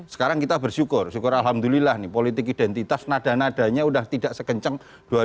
sekarang kita bersyukur syukur alhamdulillah nih politik identitas nada nadanya udah tidak sekencang dua ribu empat belas dua ribu sembilan belas